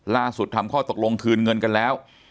ทำข้อตกลงคืนเงินกันแล้ว